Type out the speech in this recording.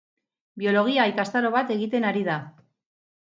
Biologia ikastaro bat egiten ari da.